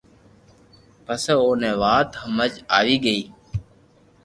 پسو اوني وات ھمج آوي گئي